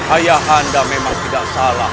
ayah anda memang tidak salah